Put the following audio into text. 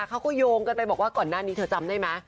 เขาก็โยงกันไปบอกว่าก่อนหน้านี้เธอจำได้ไหม